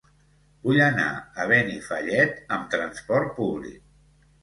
Vull anar a Benifallet amb trasport públic.